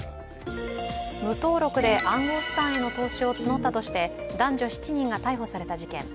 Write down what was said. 無登録で暗号資産への投資を募ったとして男女７人が逮捕された事件。